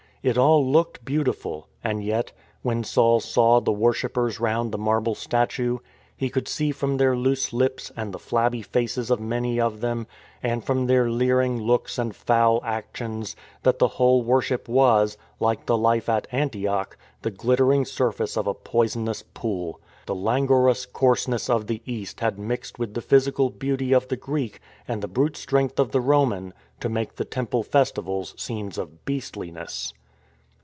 It all looked beautiful; and yet, when Saul saw the worshippers round the marble statue, he could see from their loose lips and the flabby faces of many of them, and from their leering looks and foul actions, that the whole worship was — like the life at Antioch — the glittering surface of a poisonous pool. The languorous coarse ness of the East had mixed with the physical beauty of the Greek and the brute strength of the Roman to make the temple festivals scenes of beastliness.